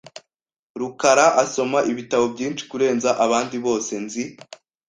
rukara asoma ibitabo byinshi kurenza abandi bose nzi .